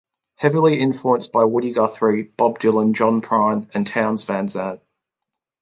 Heavily influenced by Woody Guthrie, Bob Dylan, John Prine, and Townes Van Zandt.